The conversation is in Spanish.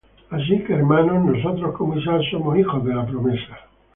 Así que, hermanos, nosotros como Isaac somos hijos de la promesa.